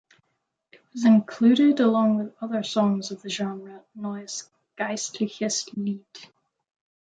It was included along with other songs of the genre Neues Geistliches Lied.